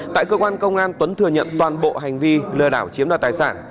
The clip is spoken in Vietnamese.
tại cơ quan công an tuấn thừa nhận toàn bộ hành vi lừa đảo chiếm đoạt tài sản